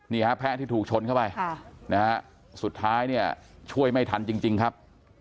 นี่ครับแพะที่ถูกชนเข้าไปสุดท้ายเนี่ยช่วยไม่ทันจริงครับ